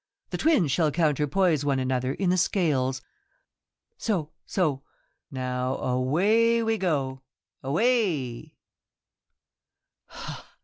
The Twins shall counterpoise one another in the Scales. So, so. Now away we go, away.'